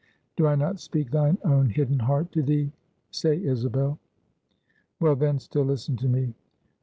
Do I not speak thine own hidden heart to thee? say, Isabel? Well, then, still listen to me.